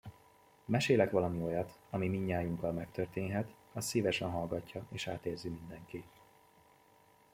Mesélek valami olyat, ami mindnyájunkkal megtörténhet, azt szívesen hallgatja és átérzi mindenki.